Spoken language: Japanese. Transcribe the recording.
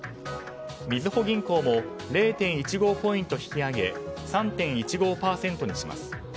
みずほ銀行も０．１５ポイント引き上げ３．１５％にします。